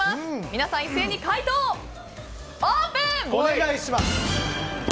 皆さん、一斉に回答をオープン！